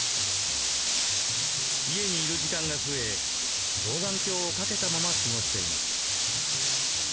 家にいる時間が増え老眼鏡を掛けたまま過ごしています。